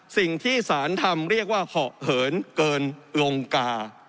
สิ่งที่สารทำเรียกว่าเหาะเหินเกินลงกา